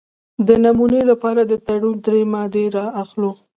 د نمونې لپاره د تړون درې مادې را اخلو.